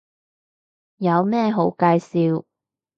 有咩好介紹